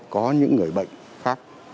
có những người bệnh khác